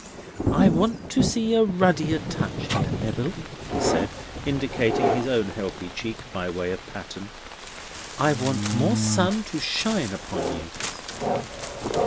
"I want to see a ruddier touch here, Neville," he said, indicating his own healthy cheek by way of pattern. "I want more sun to shine upon you."